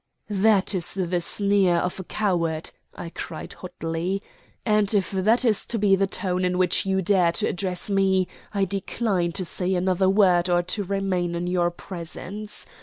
"That is the sneer of a coward," I cried hotly. "And if that is to be the tone in which you dare to address me, I decline to say another word or to remain in your presence.